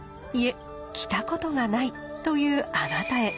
いえ着たことがないというあなたへ。